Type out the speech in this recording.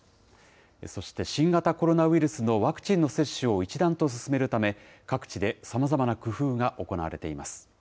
そして新型コロナウイルスのワクチンの接種を一段と進めるため、各地で様々な工夫が行われています。